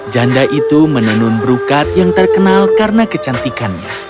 janda itu menenun berukat yang terkenal karena kecantikannya